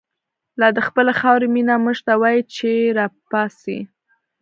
لا دخپلی خاوری مینه، مونږ ته وایی چه ر ا پا څۍ